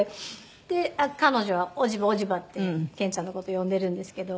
で彼女は「おじばおじば」って憲ちゃんの事呼んでるんですけど。